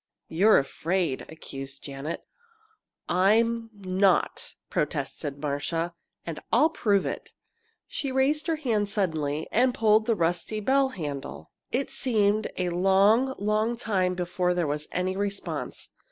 "You're afraid!" accused Janet. "I'm not!" protested Marcia. "And I'll prove it!" She raised her hand suddenly and pulled the rusty bell handle. It seemed a long, long time before there was any response.